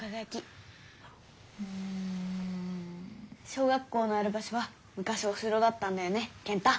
小学校のある場所はむかしお城だったんだよね健太。